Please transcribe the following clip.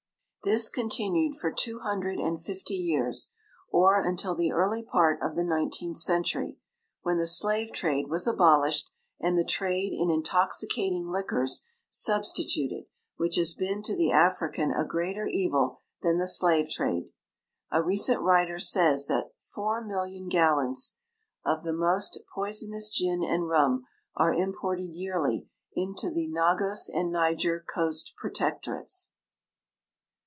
This continued for two hun dred and fifty years, or until the early j>art of the nineteenth century, when the slave trade was abolished and the trade in intoxicating liquors substituted, which has been to the African a greater evil than the slave trade. A recent writer says that four million gallons of the most jtoisonous gin and rum arc im ported yearly into the Nagos and Niger coast protectorates.